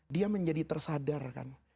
dia menjadi tersadar kan